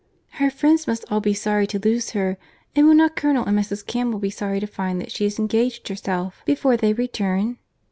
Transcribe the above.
"Her friends must all be sorry to lose her; and will not Colonel and Mrs. Campbell be sorry to find that she has engaged herself before their return?"